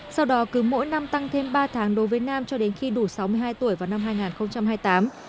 sau đó cứ mỗi năm tăng thêm ba tháng đối với nam cho đến khi đủ sáu mươi hai tuổi vào năm hai nghìn hai mươi tám